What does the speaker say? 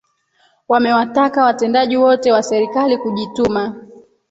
Wamewataka watendaji wote wa serikali kujituma